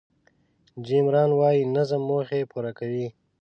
جیم ران وایي نظم موخې پوره کوي.